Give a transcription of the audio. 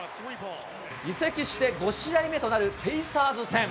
移籍して５試合目となる、ペイサーズ戦。